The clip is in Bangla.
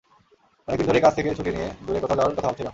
অনেক দিন ধরেই কাজ থেকে ছুটি নিয়ে দূরে কোথাও যাওয়ার কথা ভাবছিলাম।